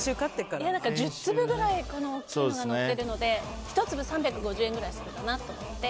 １０粒くらい大きいのがのってるので１粒３５０円くらいするかなと思って。